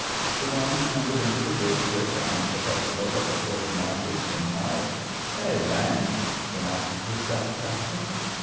" The one you tumbled into the ditch with, on the festival of the forty martyrs, in March .^ Hey ! Viang }" remarked the staff captain.